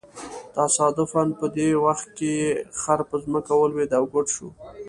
تصادفاً په دې وخت کې یې خر په ځمکه ولویېد او ګوډ شو.